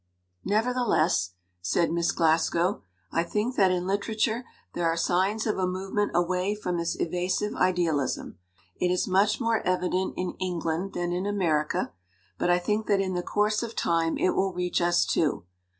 "Nevertheless," said Miss Glasgow, "I think that in literature there are signs of a movement away from this evasive idealism. It is much more evident in England than in America, but I think that in the course of time it will reach us, too.